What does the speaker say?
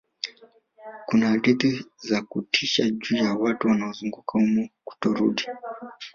kuna hadithi za kutisha juu ya watu wanaoanguka humo kutorudi